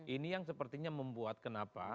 ini yang sepertinya membuat kenapa